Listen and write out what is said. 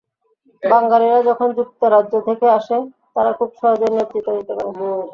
বাঙালিরা যখন যুক্তরাজ্য থেকে আসে, তারা খুব সহজেই নেতৃত্ব দিতে পারে।